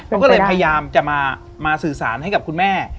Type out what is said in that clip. เขาก็เลยพยายามจะมาสื่อสารให้กับคุณแม่